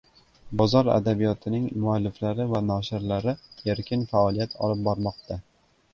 “Bozor adabiyoti”ning mualliflari va noshirlari erkin faoliyat olib bormoqda: